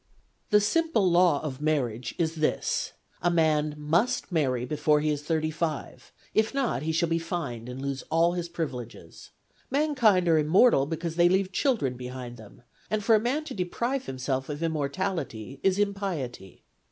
The simple law of marriage is this : A man must marry before he is thirty five ; if not, he shall Jbe fined and lose all his privileges. Mankind are immortal because they leave children behind them ; and for a man to deprive himself of immortality is impiety.